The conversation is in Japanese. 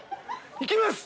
いきます！